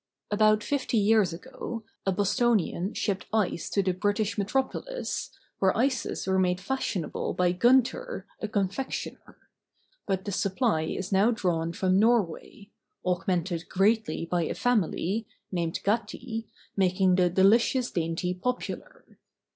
About fifty years ago, a Bostonian shipped ice to the v 4 THE BOOK OF ICES. British metropolis, where ices were made fashionable by Gunter, a confectioner; but the supply is now drawn from Norway—augmented greatly by a family, named Gatti, making the delicious dainty popular.